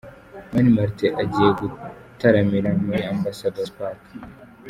Mani Martin agiye gutaramira muri Ambassador's Park.